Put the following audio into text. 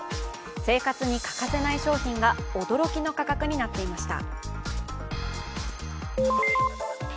生活に欠かせない商品が驚きの価格になっていました。